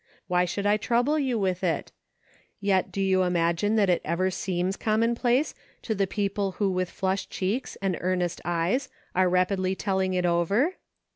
Why should I trouble you with it ? Yet do you imagine that it ever seems commonplace to the people who with flushed cheeks and earnest eyes are rapidly telling it over?